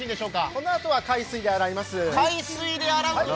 このあとは海水で洗います。